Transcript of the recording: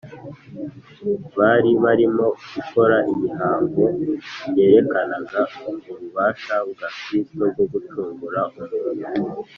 bari barimo gukora imihango yerekanaga ububasha bwa kristo bwo gucungura umuntu,